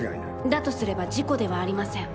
だとすれば事故ではありません。